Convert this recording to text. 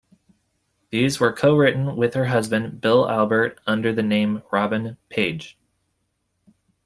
These were co-written with her husband, Bill Albert under the name Robin Paige.